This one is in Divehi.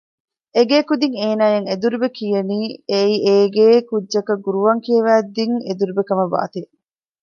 އެގޭ ކުދިން އޭނާއަށް އެދުރުބެ ކިޔަނީ އެއީ އެގޭ ކުއްޖަކަށް ޤުރްއާން ކިޔަވައިދިން އެދުރުބެ ކަމަށް ވާތީ